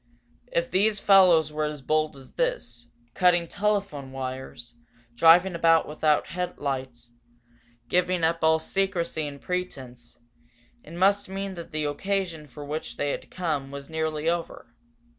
If these fellows were as bold as this, cutting telephone wires, driving about without lights, giving up all secrecy and pretence, it must mean that the occasion for which they had come was nearly over.